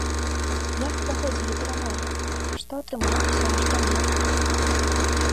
Як праходзілі перамовы, што атрымалася, а што не?